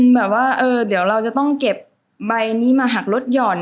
แบบว่าเออเดี๋ยวเราจะต้องเก็บใบนี้มาหักลดหย่อน